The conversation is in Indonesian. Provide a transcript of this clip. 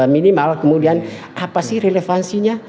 minimal kemudian apa sih relevansinya